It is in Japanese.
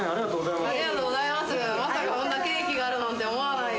まさかこんなケーキがあるなんて思わないよ。